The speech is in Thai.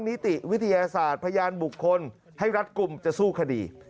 นิติวิทยาศาสตร์พยานบุคคลให้รัฐกลุ่มจะสู้คดี